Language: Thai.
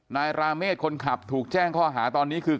ราเมฆคนขับถูกแจ้งข้อหาตอนนี้คือ